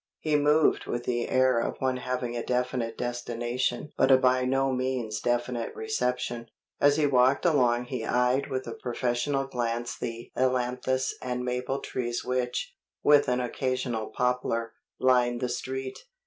He moved with the air of one having a definite destination but a by no means definite reception. As he walked along he eyed with a professional glance the ailanthus and maple trees which, with an occasional poplar, lined the Street.